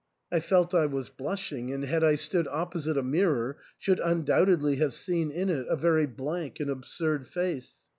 I felt I was blushing, and had I stood opposite a mirror should undoubtedly have seen in it a very blank and absurd face.